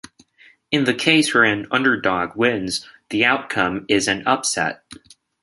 In the case where an underdog wins, the outcome is an upset.